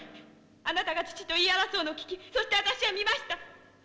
あなたが父と言い争うのを聞きそして私は見ました。